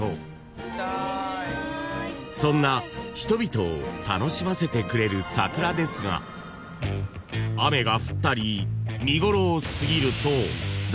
［そんな人々を楽しませてくれる桜ですが雨が降ったり見頃を過ぎると残念ながら］